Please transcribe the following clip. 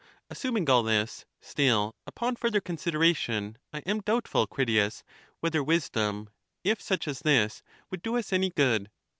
Assuming all this, still, upon further consideration, I am doubtful, Critias, whether wisdom, if such as this, would do us any good.